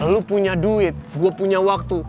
lu punya duit gue punya waktu